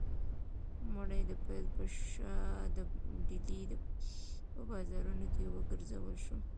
مړی د پیل په شا د ډیلي په بازارونو کې وګرځول شو.